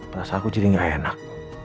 rasa aku jadi gak enak